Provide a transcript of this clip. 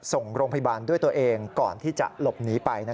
ส่งโรงพยาบาลด้วยตัวเองก่อนที่จะหลบหนีไป